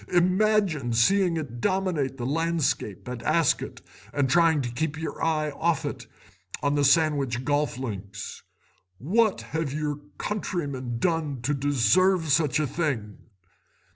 Imagine seeing it dominate the landscape at Ascot, and trying to keep your eye off it on the Sandwich golf links. What have your countrymen done to deserve such a thing?